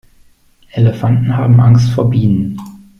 Elefanten haben Angst vor Bienen.